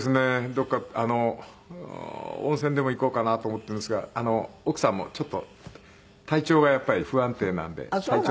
どこか温泉でも行こうかなと思っているんですが奥さんもちょっと体調がやっぱり不安定なんで。